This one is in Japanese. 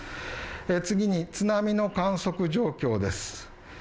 次に津波の観測状況です